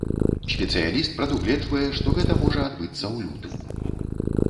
Спецыяліст прадугледжвае, што гэта можа адбыцца ў лютым.